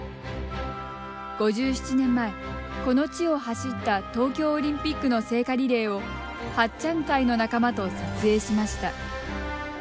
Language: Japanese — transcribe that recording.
５７年前、この地を走った東京オリンピックの聖火リレーを八ちゃん会の仲間と撮影しました。